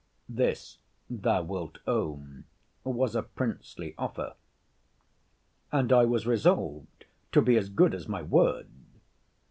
This, thou wilt own, was a princely offer. And I was resolved to be as good as my word.